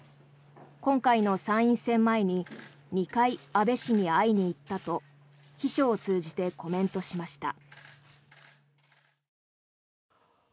今回の参院選前に２回、安倍氏に会いに行ったと秘書を通じてコメントしました。